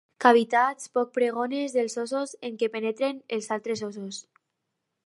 Cavitats poc pregones dels ossos en què penetren els altres ossos.